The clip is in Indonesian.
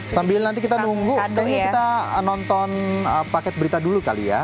sambil nanti kita nunggu kayaknya kita nonton paket berita dulu kali ya